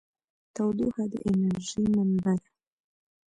تودوخه د انرژۍ منبع ده.